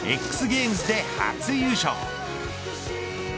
Ｘゲームズで初優勝。